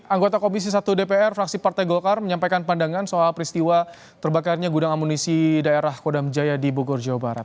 anggota komisi satu dpr fraksi partai golkar menyampaikan pandangan soal peristiwa terbakarnya gudang amunisi daerah kodam jaya di bogor jawa barat